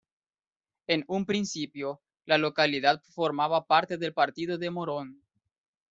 En un principio, la localidad formaba parte del partido de Morón.